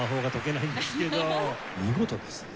見事ですね。